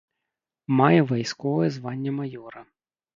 Мае вайсковае званне маёра.